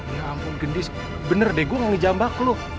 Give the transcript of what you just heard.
ya ampun gendis bener deh gue ngejambak lu